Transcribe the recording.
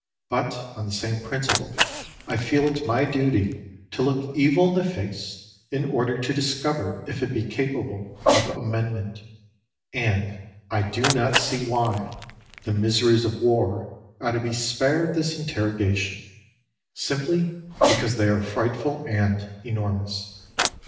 But, on the same principle, I feel it my duty to look evil in the face, in order to discover if it be capable of amendment; and I do not see why the miseries of war are to be spared this interrogation, simply because they are frightful and enormous.